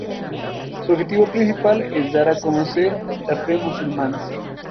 Su objetivo principal es dar a conocer la fe musulmana.